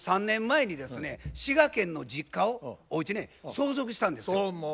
３年前にですね滋賀県の実家をおうちね相続したんですよ。